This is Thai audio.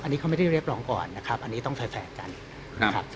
อันนี้เขาไม่ได้เรียกร้องก่อนนะครับอันนี้ต้องแฟร์กันนะครับ